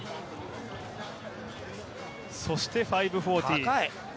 そして５４０。